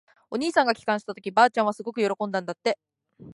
お兄さんが帰還したとき、ばあちゃんはすごく喜んだんだって。